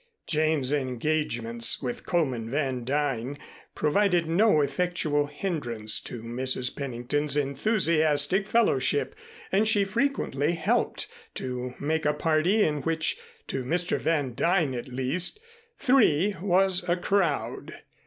Jane's engagements with Coleman Van Duyn provided no effectual hindrance to Mrs. Pennington's enthusiastic fellowship, and she frequently helped to make a party in which, to Mr. Van Duyn at least, three was a crowd.